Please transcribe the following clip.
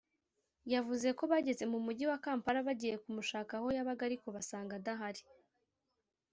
yavuze ko bageze mu Mujyi wa Kampala bagiye kumushaka aho yabaga ariko basanga adahari